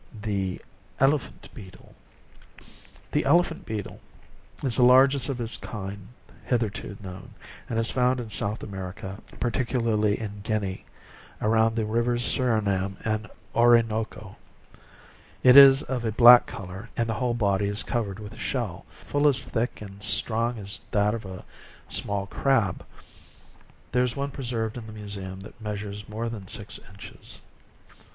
14 ELEPHANT BEETLE. The Elephant beetle is the largest of this kind hitherto known, and is found in South America, particularly in Guinea, about the rivers Surinam and Oroonoko. It is of a black col or, and the whole body is cov ered with a shell, full as thick and as strong as that of a small crab. There is one preserved in the museum that measures more than six inches.